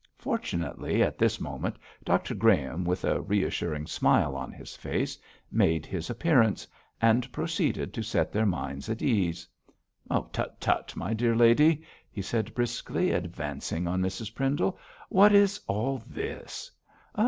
Fortunately, at this moment, Dr Graham, with a reassuring smile on his face, made his appearance, and proceeded to set their minds at ease. 'Tut! tut! my dear lady!' he said briskly, advancing on Mrs Pendle, 'what is all this?'